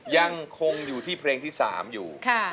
ยังคงอยู่ที่เพลงที่๓อยู่